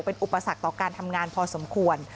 เป็นอุปสรรคต่อการทำงานพอสมควร